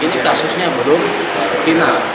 ini kasusnya belum final